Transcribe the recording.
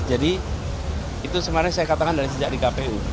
jadi itu sebenarnya saya katakan dari sejak di kpu